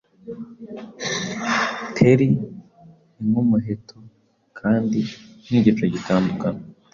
Theli ni nkumuheto kandi nkigicu gitandukana